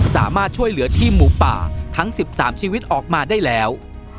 สามารถช่วยเหลือทีมหมูป่าทั้ง๑๓ชีวิตออกมาได้แล้ว